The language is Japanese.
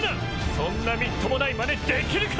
そんなみっともないまねできるか！